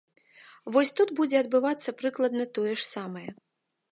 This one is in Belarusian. Вось тут будзе адбывацца прыкладна тое ж самае.